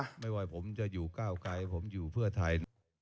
หรือบาลไม่ไว้ผมจะอยู่แก้วไกรผมอยู่เพื่อไทย